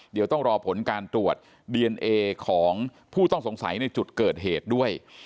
เดี๋ยวต้องรอผลการตรวจดีเอนเอของผู้ต้องสงสัยในจุดเกิดเหตุด้วย